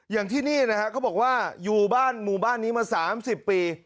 อย่างที่นี่นะฮะเขาบอกว่าอยู่บ้านหมู่บ้านนี้มา๓๐ปี